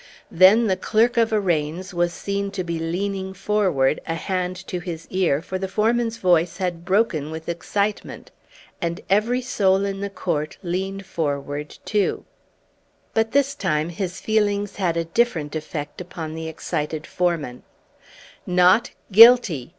Then the Clerk of Arraigns was seen to be leaning forward, a hand to his ear, for the foreman's voice had broken with excitement. And every soul in court leaned forward too. But this time his feelings had a different effect upon the excited foreman. "Not guilty!"